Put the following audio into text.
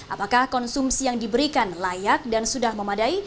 apakah konsumsi yang diberikan layak dan sudah memadai